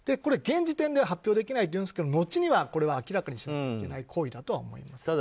現時点では発表できないと思いますがのちにはこれは明らかにしなければいけない行為だと思います。